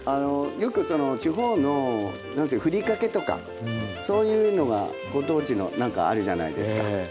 よくその地方のふりかけとかそういうのがご当地のなんかあるじゃないですか。